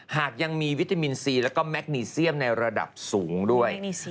หากยังมีวิตามินซีแล้วก็แมคนีเซียมในระดับสูงด้วย